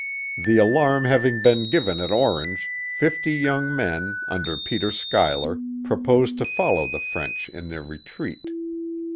The alarm having been given at Orange, fifty young men, under Peter Schuyler, proposed to follow the French in their retreat.